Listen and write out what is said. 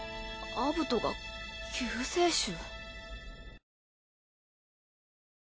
アブトが救世主？